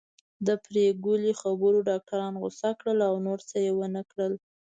د پري ګلې خبرو ډاکټران غوسه کړل او نور څه يې ونکړل